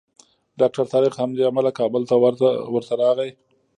ډاکټر طارق همدې امله کابل ته ورته راغی.